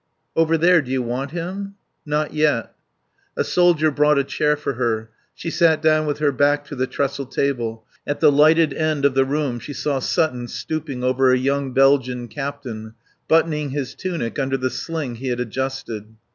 "Over there. Do you want him?" "Not yet." A soldier brought a chair for her. She sat down with her back to the trestle table. At the lighted end of the room she saw Sutton stooping over a young Belgian captain, buttoning his tunic under the sling he had adjusted.